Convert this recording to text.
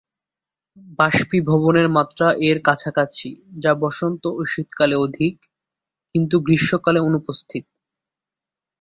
বাষ্পীভবনের মাত্রা এর কাছাকাছি, যা বসন্ত ও শীতকালে অধিক, কিন্তু গ্রীষ্মকালে অনুপস্থিত।